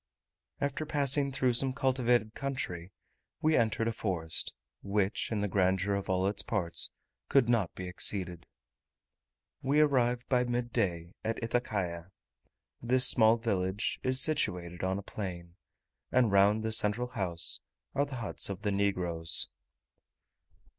After passing through some cultivated country, we entered a forest, which in the grandeur of all its parts could not be exceeded. We arrived by midday at Ithacaia; this small village is situated on a plain, and round the central house are the huts of the negroes.